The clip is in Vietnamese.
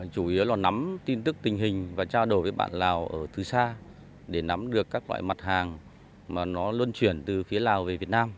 chủ yếu là nắm tin tức tình hình và trao đổi với bạn lào ở từ xa để nắm được các loại mặt hàng mà nó luân chuyển từ phía lào về việt nam